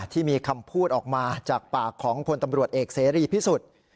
ที่มีคำพูดออกมาจากปากของพลตำรวจเอกเสรีพิสุทธิ์